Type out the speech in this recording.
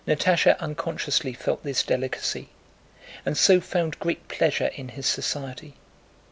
Natásha unconsciously felt this delicacy and so found great pleasure in his society.